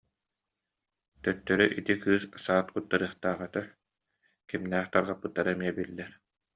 Төттөрү ити кыыс саат куттарыахтаах этэ, кимнээх тарҕаппыттара эмиэ биллэр